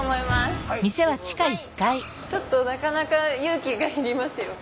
ちょっとなかなか勇気が要りますよ